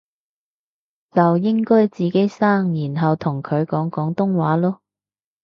就應該自己生然後同佢講廣東話囉